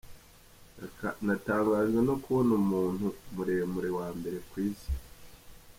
Natanagjwe no kubona umuntu muremure wa mbere ku isi.